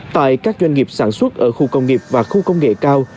tại các doanh nghiệp sản xuất ở khu công nghiệp và khu công nghệ cao